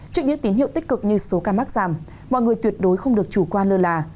trước những tín hiệu tích cực như số ca mắc giảm mọi người tuyệt đối không được chủ quan lơ là